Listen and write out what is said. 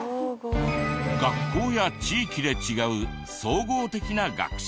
学校や地域で違う総合的な学習。